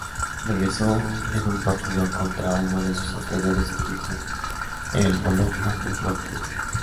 Regresó en un partido contra uno de sus anteriores equipos: el Bologna Football Club.